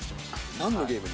なんのゲームに？